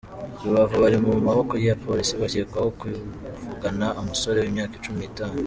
Rubavu Bari mu maboko ya Polisi bakekwaho kwivugana umusore w’imyaka cumi nitanu